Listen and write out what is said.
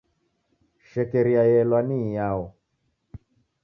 Shekeria yelwa ni iyao?